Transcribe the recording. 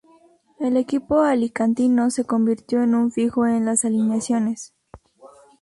En el equipo alicantino se convirtió en un fijo en las alineaciones.